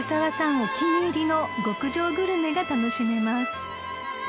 お気に入りの極上グルメが楽しめます］